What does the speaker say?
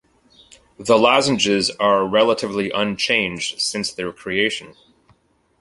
The lozenges are relatively unchanged since their creation.